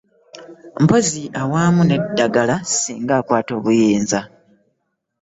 Mpozzi awamu n'eddagala singa akwata obuyinza.